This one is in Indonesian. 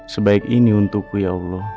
sebaik ini untukku ya allah